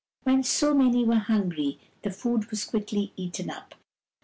When so many were hungry the food was quickly eaten up.